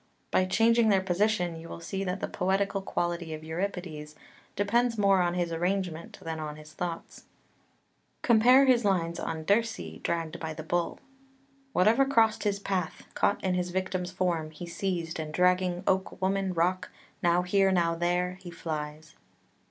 By changing their position you will see that the poetical quality of Euripides depends more on his arrangement than on his thoughts. [Footnote 1: H. F. 1245.] 4 Compare his lines on Dirce dragged by the bull "Whatever crossed his path, Caught in his victim's form, he seized, and dragging Oak, woman, rock, now here, now there, he flies."